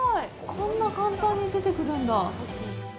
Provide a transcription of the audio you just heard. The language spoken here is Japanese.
こんな簡単に出てくるんだ。